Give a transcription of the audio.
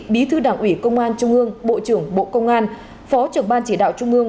bí thư đảng ủy công an trung ương bộ trưởng bộ công an phó trưởng ban chỉ đạo trung ương